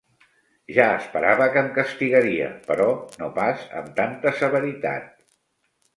Ja esperava que em castigaria, però no pas amb tanta severitat.